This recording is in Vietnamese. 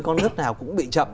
có nước nào cũng bị chậm